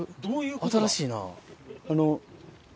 新しいな。